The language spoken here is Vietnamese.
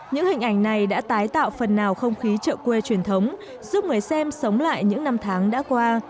những hình ảnh này đã tái tạo phần nào không khí chợ quê truyền thống giúp người xem sống lại những năm tháng đã qua